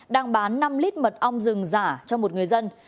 đang bán năm lít mật ong rừng giả cho một người dân